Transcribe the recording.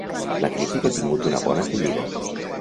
La crítica ha tingut una bona acollida.